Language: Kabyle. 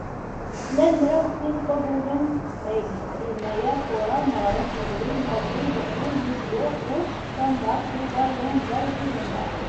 Llan mraw sin n wagguren s teqbaylit: Yennayer, Fuṛar, Meɣres, Yebrir, Mayyu, Yunyu, Yulyu, Ɣuct, Ctamber, Tuber, Wamber, Dujember.